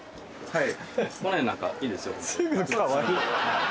はい？